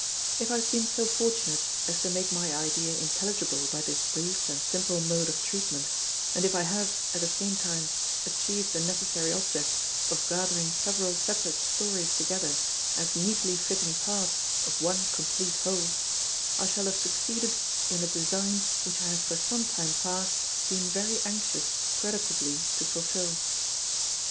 If I have been so fortunate as to make my idea intelligible by this brief and simple mode of treatment, and if I have, at the same time, achieved the necessary object of gathering several separate stories together as neatly fitting parts of one complete whole, I shall have succeeded in a design which I have for some time past been very anxious creditably to fulfill.